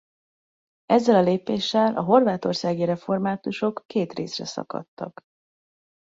Ezzel a lépéssel a horvátországi reformátusok két részre szakadtak.